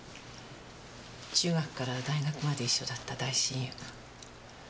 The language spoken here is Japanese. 中学から大学まで一緒だった大親友。